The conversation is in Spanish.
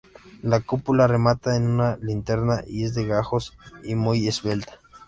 La cúpula, rematada en una linterna, es de gajos y muy esbelta.